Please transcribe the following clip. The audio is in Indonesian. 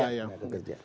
ke tenaga kerja